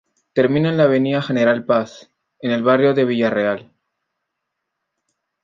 Termina en la Avenida General Paz, en el barrio de Villa Real.